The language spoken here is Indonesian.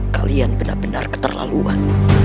kalian benar benar keterlaluan